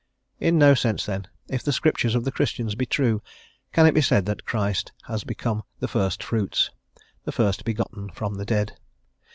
In no sense, then, if the Scriptures of the Christians be true can it be said that Christ has become the first fruits, the first begotten from the dead.